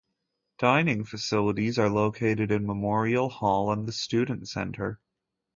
Dining facilities are located in Memorial Hall and the Student Center.